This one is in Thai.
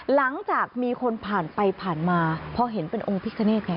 หลังจากมีคนผ่านไปผ่านมาพอเห็นเป็นองค์พิกเนธไง